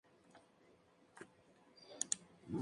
Ha estado ubicado en dos edificios.